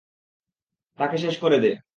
তাকে শেষ করে দে।